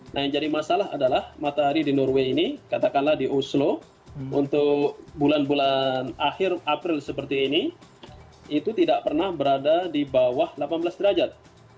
nah yang jadi masalah adalah matahari di norway ini katakanlah di oslo untuk bulan bulan akhir april seperti ini itu tidak pernah berada di bawah delapan belas derajat